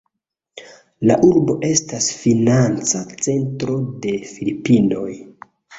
La urbo estas financa centro de Filipinoj.